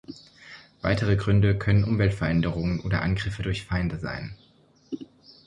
Weitere Gründe können Umweltveränderungen oder Angriffe durch Feinde sein.